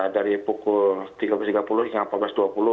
dari pukul tiga belas tiga puluh hingga empat belas dua puluh